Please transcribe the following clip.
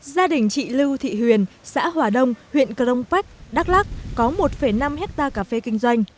gia đình chị lưu thị huyền xã hòa đông huyện cờ đông phách đắk lắc có một năm hectare cà phê kinh doanh